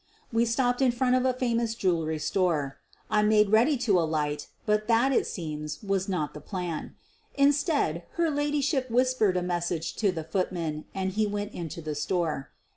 We stopped in front of a famous jewelry store —> I made ready to alight, but that, it seems, was not the plan. Instead, her ladyship whispered a mes sage to the footman and he went into the store.